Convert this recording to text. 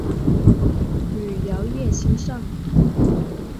旅游业兴盛。